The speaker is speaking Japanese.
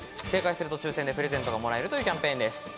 正解すると抽選でプレゼントがもらえるというキャンペーンです。